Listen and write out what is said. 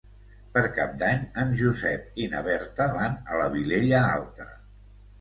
Per Cap d'Any en Josep i na Berta van a la Vilella Alta.